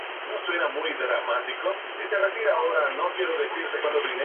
Fue un rival de Gotthold Ephraim Lessing e Immanuel Kant.